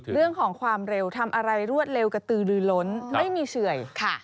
เรื่องของความเร็วทำอะไรรวดเร็วกระตือลือล้นไม่มีเฉื่อยค่ะ